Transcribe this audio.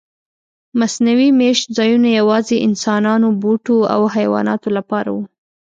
مصنوعي میشت ځایونه یواځې انسانانو، بوټو او حیواناتو لپاره و.